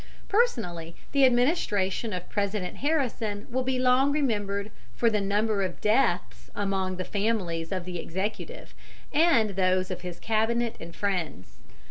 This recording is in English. Personally, the administration of President Harrison will be long remembered for the number of deaths among the families of the Executive and those of his Cabinet and friends.